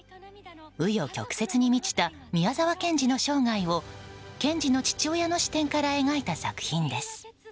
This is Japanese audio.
紆余曲折に満ちた宮沢賢治の生涯を賢治の父親の視点から描いた作品です。